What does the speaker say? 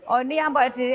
oh ini yang buat